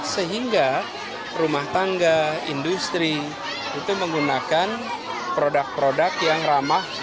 sehingga rumah tangga industri itu menggunakan produk produk yang ramah